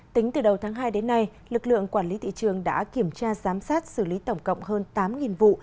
tính từ đầu tháng hai đến nay lực lượng quản lý thị trường đã kiểm tra giám sát xử lý tổng cộng hơn tám vụ